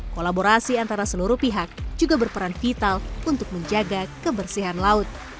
kolaborasi antara seluruh pihak juga berperan vital untuk menjaga kebersihan laut